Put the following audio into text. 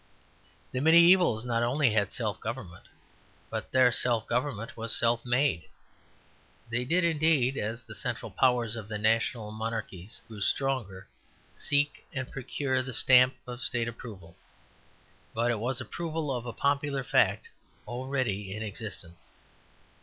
The mediævals not only had self government, but their self government was self made. They did indeed, as the central powers of the national monarchies grew stronger, seek and procure the stamp of state approval; but it was approval of a popular fact already in existence.